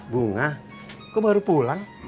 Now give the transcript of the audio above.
bunga kok baru pulang